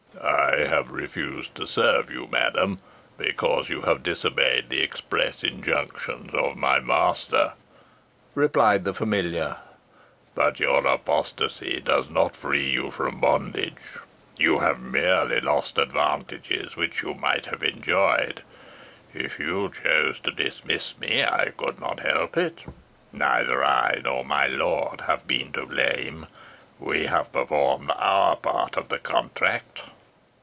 "I have refused to serve you, madam, because you have disobeyed the express injunctions of my master," replied the familiar; "but your apostasy does not free you from bondage. You have merely lost advantages which you might have enjoyed. If you chose to dismiss me I could not help it. Neither I nor my lord have been to blame. We have performed our part of the contract."